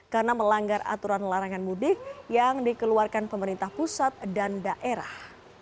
karena melanggar aturan larangan mudik yang dikeluarkan pemerintah pusat dan daerah